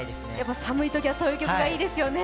寒いときはそういう曲がいいですよね。